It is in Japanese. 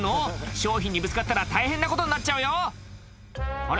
商品にぶつかったら大変なことになっちゃうよあれ？